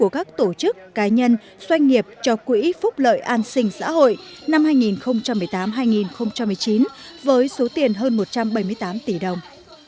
các tổ chức cá nhân doanh nghiệp cho quỹ phúc lợi an sinh xã hội năm hai nghìn một mươi tám hai nghìn một mươi chín với số tiền hơn một trăm bảy mươi tám tỷ đồng